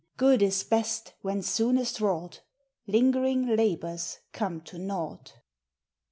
Good is best when soonest wrought. Lingering labours come to nought.